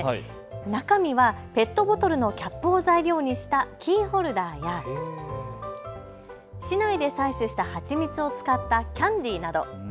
中身はペットボトルのキャップを材料にしたキーホルダーや市内で採取した蜂蜜を使ったキャンディーなど。